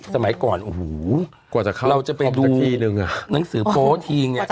สมัยก่อนอูหูเราจะไปดูหนังสือโพสต์ทีเนี่ย